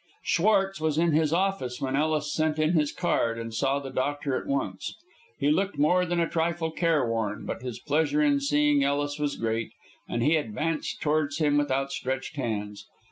Schwartz was in his office when Ellis sent in his card, and saw the doctor at once. He looked more than a trifle careworn, but his pleasure in seeing Ellis was great, and he advanced towards him with outstretched hands.